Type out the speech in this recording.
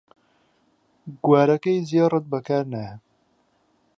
گوارەکەی زێڕت بەکار نایە